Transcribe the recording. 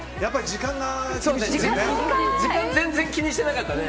時間全然気にしてなかったね。